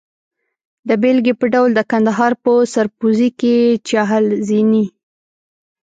د بېلګې په ډول د کندهار په سرپوزي کې چهل زینې.